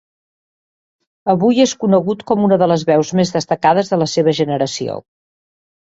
Avui és conegut com una de les veus més destacades de la seva generació.